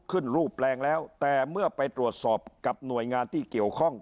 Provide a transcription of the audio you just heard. ขึ้นรูปแปลงแล้วแต่เมื่อไปตรวจสอบกับหน่วยงานที่เกี่ยวข้อง